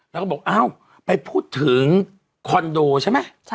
แล้วก็บอกอ้าวไปพูดถึงคอนโดใช่ไหม